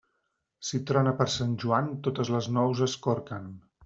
Si trona per Sant Joan, totes les nous es corquen.